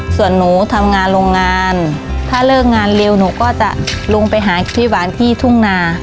ส่วนหนูทำงานโรงงานถ้าเลิกงานเร็วหนูก็จะลงไปหาพี่หวานที่ทุ่งนา